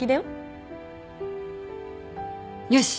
よし。